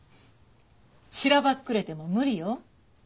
しらばっくれても無理よ。